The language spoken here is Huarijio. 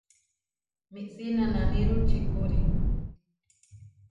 Míʼsi nanániru čikúri.